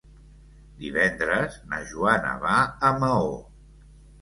Divendres na Joana va a Maó.